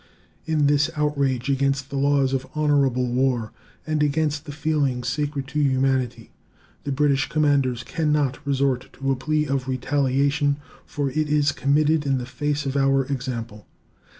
In this outrage against the laws of honorable war and against the feelings sacred to humanity the British commanders can not resort to a plea of retaliation, for it is committed in the face of our example.